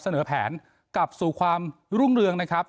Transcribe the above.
เสนอแผนกลับสู่ความรุ่งเรืองนะครับ